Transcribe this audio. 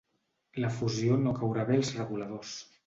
La fusió no caurà bé als reguladors.